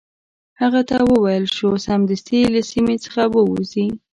هغه ته وویل شو سمدستي له سیمي څخه ووزي.